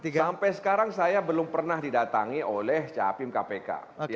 sampai sekarang saya belum pernah didatangi oleh capim kpk